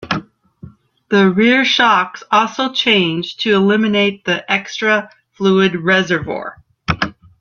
The rear shocks also changed to eliminate the extra fluid reservoir.